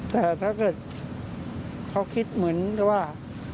แต่ถ้าเกิดเขาคิดเหมือนกับว่า